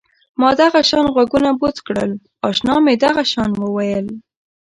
ما دغه شان غوږونه بوڅ کړل اشنا مې دغه شان وویل.